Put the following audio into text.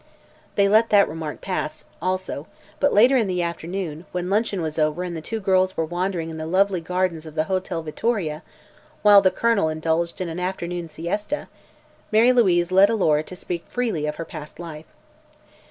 They let that remark pass, also, but later in the afternoon, when luncheon was over and the two girls were wandering in the lovely gardens of the Hotel Vittoria, while the Colonel indulged in an afternoon siesta, Mary Louise led Alora to speak freely of her past life.